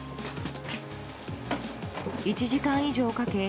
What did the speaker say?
１時間以上かけ